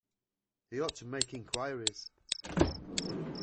He ought to make inquiries.